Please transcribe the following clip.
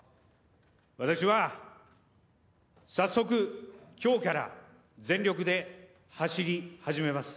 私は早速、きょうから全力で走り始めます。